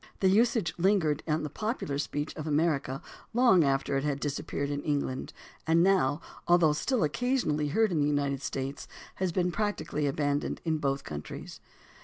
The usage lingered on in the popular speech of America long after it had disappeared in England, and now, although still occasionally heard in the United States, has been practically abandoned in both countries.